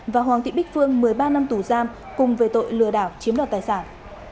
và hoàng thị bích phương một mươi ba năm tù giam cùng về tội lừa đảo chiếm đoạt tài sản